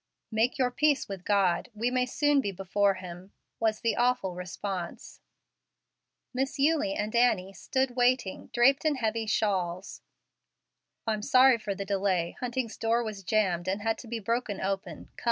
"Make your peace with God. We may soon be before Him," was the awful response. Miss Eulie and Annie stood waiting, draped in heavy shawls. "I'm sorry for the delay; Hunting's door was jammed and had to be broken open.